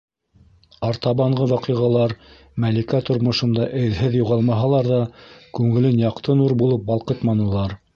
Артабанғы ваҡиғалар Мәликә тормошонда эҙһеҙ юғалмаһалар ҙа, күңелен яҡты нур булып балҡытманылар.